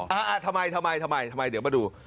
อ่าอ่าทำไมทำไมทำไมเดี๋ยวมาดู